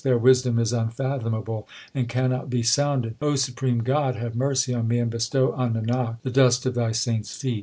Their wisdom is unfathomable, and cannot be sounded. O supreme God, have mercy on me, And bestow on Nanak the dust of Thy saints feet.